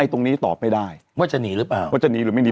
ตรงนี้ตอบไม่ได้ว่าจะหนีหรือเปล่าว่าจะหนีหรือไม่หนี